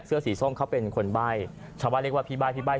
เสื้อสีส้มเขาเป็นคนใบ้ชาวบ้านเรียกว่าพี่ใบ้พี่ใบ้